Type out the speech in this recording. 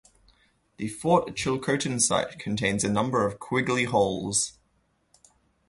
The Fort Chilcotin site contains a number of quiggly holes.